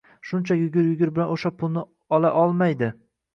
shuncha yugur-yugur bilan o‘sha pulni ola olmaydi.